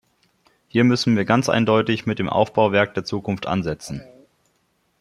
Hier müssen wir ganz eindeutig mit dem Aufbauwerk der Zukunft ansetzen.